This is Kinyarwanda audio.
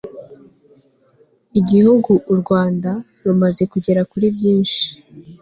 igihugu u rwanda rumaze kugera kuri byinshi